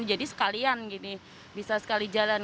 jadi sekalian bisa sekali jalan